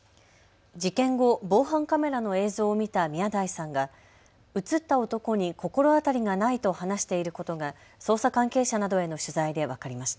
事件後、防犯カメラの映像を見た宮台さんが写った男に心当たりがないと話していることが捜査関係者などへの取材で分かりました。